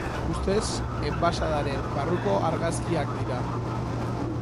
Ustez, enbaxadaren barruko argazkiak dira.